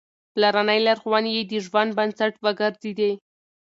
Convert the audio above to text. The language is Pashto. پلارنۍ لارښوونې يې د ژوند بنسټ وګرځېدې.